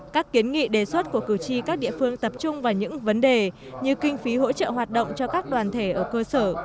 các kiến nghị đề xuất của cử tri các địa phương tập trung vào những vấn đề như kinh phí hỗ trợ hoạt động cho các đoàn thể ở cơ sở